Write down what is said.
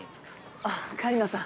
あっ狩野さん